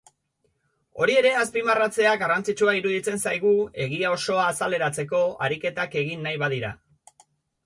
Hori ere azpimarratzea garrantzitsua iruditzen zaigu egia osoa azaleratzeko ariketak egin nahi badira.